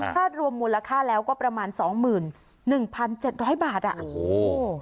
ถ้ารวมมูลค่าแล้วก็ประมาณสองหมื่นหนึ่งพันเจ็ดร้อยบาทอ่ะโอ้โห